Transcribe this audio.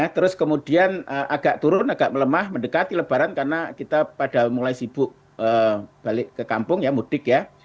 terus kemudian agak turun agak melemah mendekati lebaran karena kita pada mulai sibuk balik ke kampung ya mudik ya